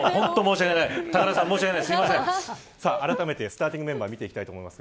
あらためてスターティングメンバーを見ていきます。